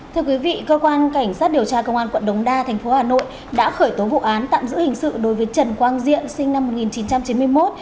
thưa quý vị cơ quan cảnh sát điều tra công an quận đống đa tp hà nội đã khởi tố vụ án tạm giữ hình sự đối với trần quang diện sinh năm một nghìn chín trăm chín mươi một